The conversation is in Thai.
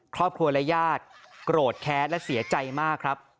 ครอบครัวและญาติโกรธแค้นและเสียใจมากครับ